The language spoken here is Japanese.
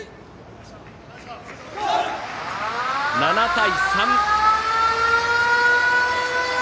７対３。